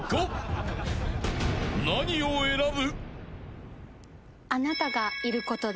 ［何を選ぶ？］